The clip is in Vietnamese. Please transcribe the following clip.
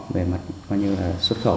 về mặt coi như là xuất khẩu